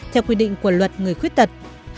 theo quy định của luật người khuyết tật